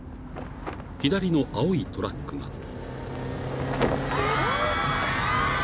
［左の青いトラックが］